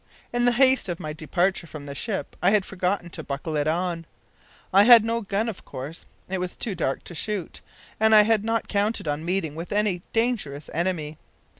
In the haste of my departure from the ship I had forgotten to buckle it on. I had no gun, of course. It was too dark to shoot, and I had not counted on meeting with any dangerous enemy.